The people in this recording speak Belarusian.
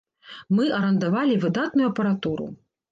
Мы арандавалі выдатную апаратуру.